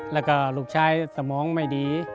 แล้วก็ลูกชายสมองไม่ดี